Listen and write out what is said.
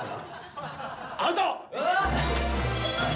アウト！